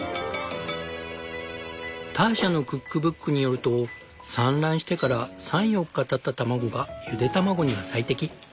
ターシャのクックブックによると産卵してから３４日たった卵がゆで卵には最適。